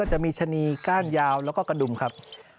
จะมีชะนีก้านยาวแล้วก็กระดุมครับ